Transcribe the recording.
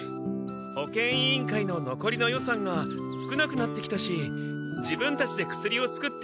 保健委員会ののこりの予算が少なくなってきたし自分たちで薬を作って売ろうと思ってね。